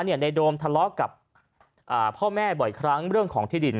ในโดมทะเลาะกับพ่อแม่บ่อยครั้งเรื่องของที่ดิน